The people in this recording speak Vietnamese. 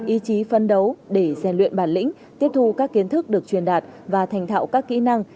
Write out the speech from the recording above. ý chí phân đấu để gian luyện bản lĩnh tiết thu các kiến thức được truyền đạt và thành thạo các kỹ năng